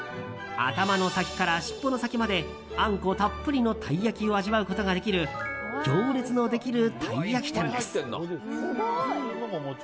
頭の先から尻尾の先まであんこたっぷりのたい焼きを味わうことができる行列のできるたい焼き店です。